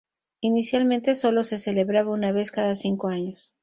Inicialmente sólo se celebraba una vez cada cinco años.